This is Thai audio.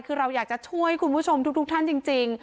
คือเราอยากจะช่วยคุณผู้ชมทุกท่านจริง